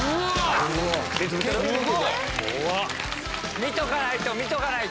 見とかないと！